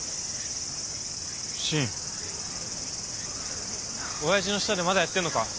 森親父の下でまだやってんのか？